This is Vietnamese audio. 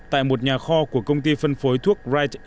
tại một nhà kho của công ty phân phối thuốc right